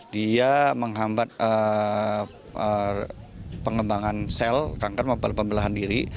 dia menghambat pengembangan sel kanker mobile pembelahan diri